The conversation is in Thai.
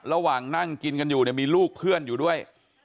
ระหว่างนั่งกินกันอยู่เนี่ยมีลูกเพื่อนอยู่ด้วย